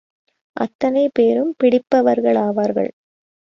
அத்தனை பேரும் பிடிப்பவர்களாவார்கள்.